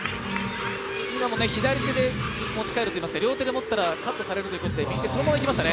今も左手で持ち替えるといいますか両手で持ったらカットされるということで右手そのままいきました。